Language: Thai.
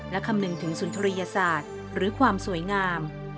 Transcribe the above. และคำนึงถึงสุนทรียศาสตร์หรือความสวยงาม